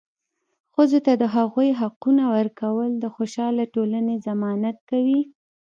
ښځو ته د هغوي حقونه ورکول د خوشحاله ټولنې ضمانت کوي.